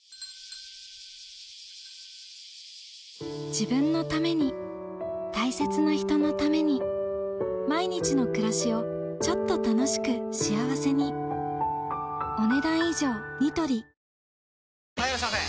自分のために大切な人のために毎日の暮らしをちょっと楽しく幸せに・はいいらっしゃいませ！